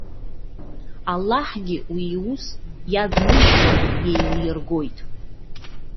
Аллаҳгьы уи иус, иагмыжькәа иеилиргоит.